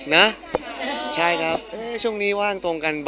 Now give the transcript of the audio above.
แต่มันเหมือนเป็นจังหวะว่าไม่ออกไง